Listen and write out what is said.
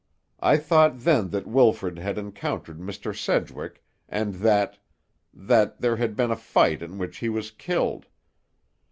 I thought then that Wilfrid had encountered Mr. Sedgwick, and that—that there had been a fight in which he was killed.